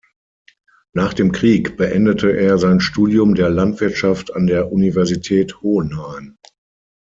Nach dem Krieg beendete er sein Studium der Landwirtschaft an der Universität Hohenheim.